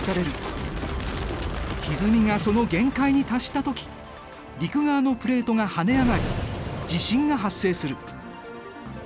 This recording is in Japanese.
ひずみがその限界に達したとき陸側のプレートが跳ね上がり地震が発生する。